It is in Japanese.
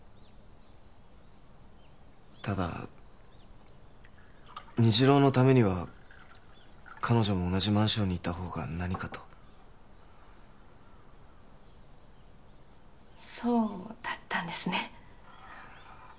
ただ虹朗のためには彼女も同じマンションにいた方が何かとそうだったんですね